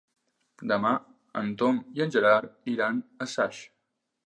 Demà en Tom i en Gerard iran a Saix.